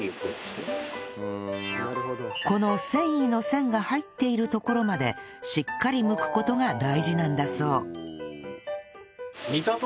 この繊維の線が入っているところまでしっかりむく事が大事なんだそう